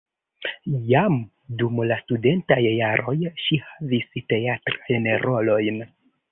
Jam dum la studentaj jaroj ŝi havis teatrajn rolojn.